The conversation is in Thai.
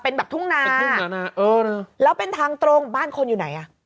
เป็นแบบทุ่งนาเป็นทุ่งนาเออนะแล้วเป็นทางตรงบ้านคนอยู่ไหนอ่ะ